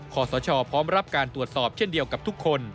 ขอสชพร้อมรับการตรวจสอบเช่นเดียวกับทุกคน